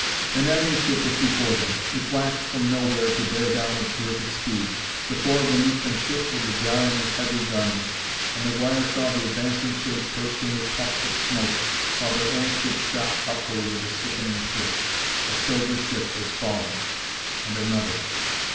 An enemy ship was before them: it flashed from nowhere to bear down with terrific speed. The floor beneath them shook with the jarring of heavy guns, and McGuire saw the advancing shape bursting with puffs of smoke, while their own ship shot upward with a sickening twist. A silver ship was falling! and another!